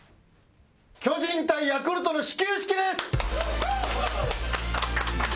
巨人対ヤクルトの始球式です！